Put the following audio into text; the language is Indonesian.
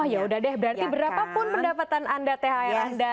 oh yaudah deh berarti berapapun pendapatan anda thr anda